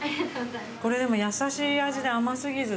これでも優しい味で甘過ぎずで。